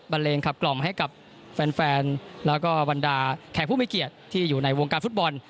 เลงขับกล่อมให้กับแฟนแล้วก็บรรดาแขกผู้มีเกียรติที่อยู่ในวงการฟุตบอล